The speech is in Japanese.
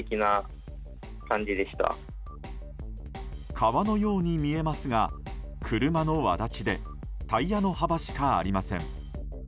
川のように見えますが車のわだちでタイヤの幅しかありません。